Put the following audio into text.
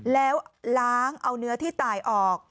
แล้วล้างเอาเนื้อที่ตายออก